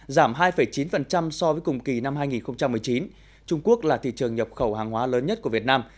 giảm hai chín so với cùng kỳ năm hai nghìn một mươi chín trung quốc là thị trường nhập khẩu hàng hóa lớn nhất của việt nam